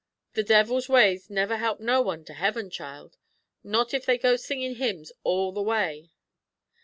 "The devil's ways never help no one to heaven, child, not if they go singin' hymns all the way."